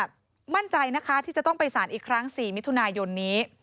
มั่นใจนะคะที่จะต้องไปสารอีกครั้ง๔มิถุนายนนี้